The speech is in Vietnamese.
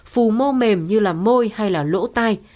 phù mô mềm như môi hay lỗ tai